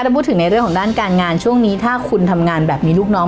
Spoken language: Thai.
ถ้าพูดถึงในเรื่องของด้านการงานช่วงนี้ถ้าคุณทำงานแบบมีลูกน้อง